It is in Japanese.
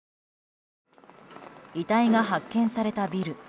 遺体が発見されたビル。